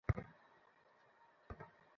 জানি না সে হাঁটছে কেন?